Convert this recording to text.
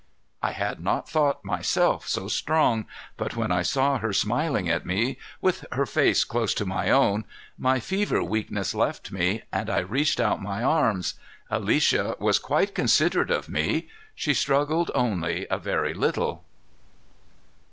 I had not thought myself so strong, but when I saw her smiling at me with her face close to my own, my fever weakness left me and I reached out my arms. Alicia was quite considerate of me. She struggled only a very little.